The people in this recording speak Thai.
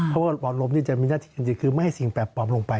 เพราะว่าปอดลมนี่จะมีหน้าที่จริงคือไม่ให้สิ่งแปลกปลอมลงไป